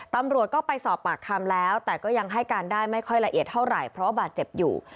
ตำรวจก็ไปสอบปากคำแล้วแต่ก็ยังให้การได้ไม่ค่อยละเอียดเท่าไหร่เพราะว่าบาดเจ็บอยู่